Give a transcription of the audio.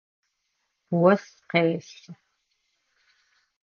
Ос къесы.